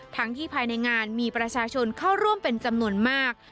ที่ภายในงานมีประชาชนเข้าร่วมเป็นจำนวนมาก